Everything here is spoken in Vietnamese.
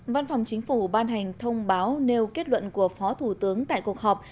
văn phòng chính phủ ban hành thông báo nêu kết luận của phó thủ tướng tại cuộc họp